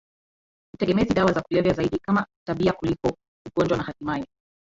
utegemezi dawa za kulevya zaidi kama tabia kuliko ugonjwa na hatimaye